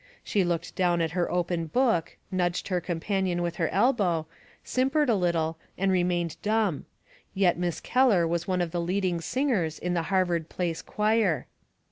She looked down at her open book, nudged her companion with her elbow, simpered a little, and remained dumb; yet Miss Keller was one of the leading singers in the Harvard Place choir.